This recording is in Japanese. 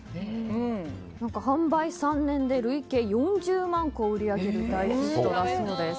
販売３年で累計４０万個を売り上げる大ヒットだそうです。